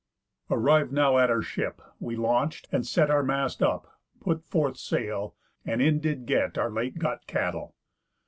"Arriv'd now at our ship, we launch'd, and set Our mast up, put forth sail, and in did get Our late got cattle.